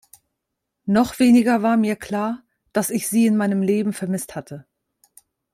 Noch weniger war mir klar, dass ich sie in meinem Leben vermisst hatte.